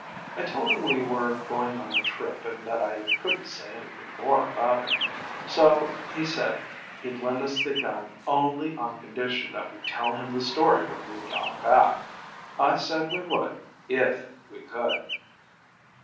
I told him we were going on a trip and that I couldn't say anything more about it. So he said he'd lend us the gun only on condition that we tell him the story when we got back. I said we would, if we could."